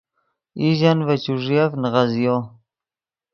ایژن ڤے چوݱیف نیغزیو